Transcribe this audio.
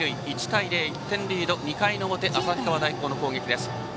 １対０、１点リード２回の表、旭川大高の攻撃です。